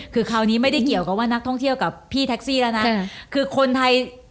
คือคราวนี้ไม่ได้เกี่ยวกับว่านักท่องเที่ยวกับพี่แท็กซี่แล้วนะคือคนไทย